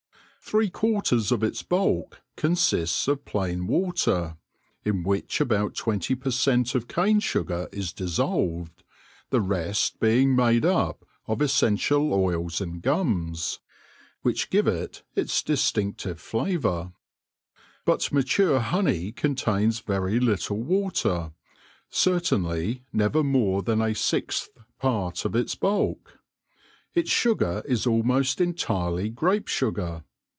Three quarters of its bulk consists of plain water, in which about 20 per cent, of cane sugar is dissolved, the rest being made up of essential oils and gums, which give it its dis tinctive flavour. But mature honey contains very little water, certainly never more than a sixth part of its bulk. Its sugar is almost entirely grape sugar.